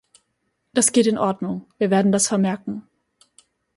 Das geht in Ordnung, wird werden das vermerken.